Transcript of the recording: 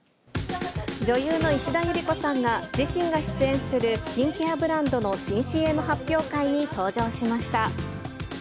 女優の石田ゆり子さんが、自身が出演するスキンケアブランドの新ＣＭ発表会に登場しました。